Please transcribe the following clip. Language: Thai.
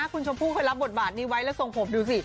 คุณชมพู่เคยรับบทบาทนี้ไว้แล้วทรงผมดูสิ